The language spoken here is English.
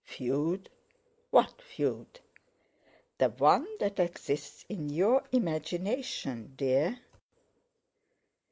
"Feud? What feud?" "The one that exists in your imagination, dear."